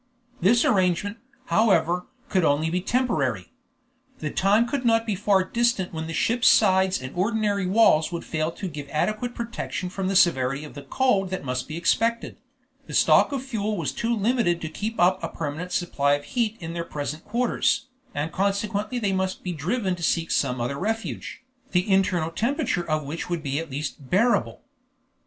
This arrangement, however, could be only temporary. The time could not be far distant when ships' sides and ordinary walls would fail to give an adequate protection from the severity of the cold that must be expected; the stock of fuel was too limited to keep up a permanent supply of heat in their present quarters, and consequently they must be driven to seek some other refuge, the internal temperature of which would at least be bearable.